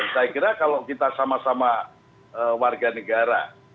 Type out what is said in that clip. saya kira kalau kita sama sama warga negara